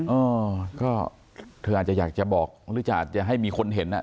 เออก็เธออาจจะอยากจะบอกหรือจะอาจจะให้มีคนเห็นอ่ะ